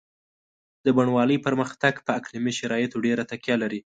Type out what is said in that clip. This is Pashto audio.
د بڼوالۍ پرمختګ په اقلیمي شرایطو ډېره تکیه لري.